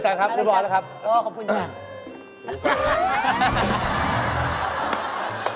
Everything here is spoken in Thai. ทุกค่ะครับเรียบร้อยเหรอครับอ๋อขอบคุณครับ